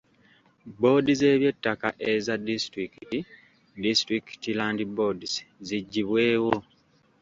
Bboodi z’eby'ettaka eza disitulikiti (District Land Boards) ziggyibwewo.